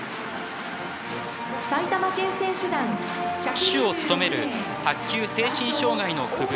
旗手を務める卓球・精神障害の区分